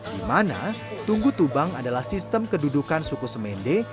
di mana tunggu tubang adalah sistem kedudukan suku semende